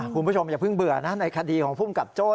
คุณผู้ชมอย่าเพิ่งเบื่อนะในคดีของภูมิกับโจ้